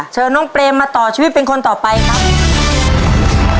เชิญน้องเปรมมาต่อชีวิตเป็นคนต่อไปครับ